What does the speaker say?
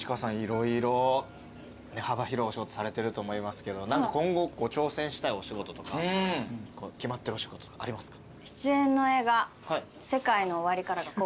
色々幅広いお仕事されてると思いますけど何か今後挑戦したいお仕事とか決まってるお仕事ありますか？